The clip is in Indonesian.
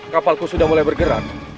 kapalku sudah mulai bergerak